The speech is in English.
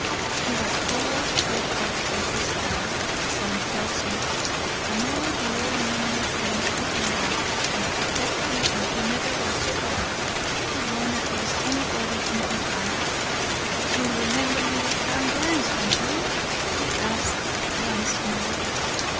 He was all het up by this time, Sam tells me, and all the old memories came creeping back, and he kept thinking he never was so glad to run across anybody in his life. 'You remember little Sam Burns, don't you?' he asks once more.